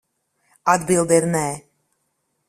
Atbilde ir nē.